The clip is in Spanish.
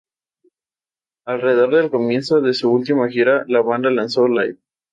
Alrededor del comienzo de su última gira, la banda lanzó "Live!